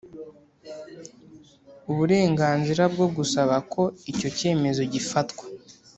uburenganzira bwo gusaba ko icyo cyemezo gifatwa